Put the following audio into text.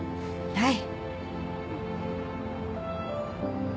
はい。